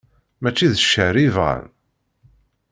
Mačči d cceṛ i bɣan.